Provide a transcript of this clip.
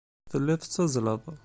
Telliḍ tettazzaleḍ.